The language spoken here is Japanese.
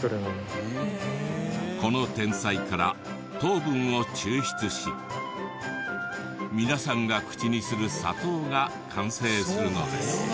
このテンサイから糖分を抽出し皆さんが口にする砂糖が完成するのです。